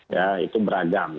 ya itu beragam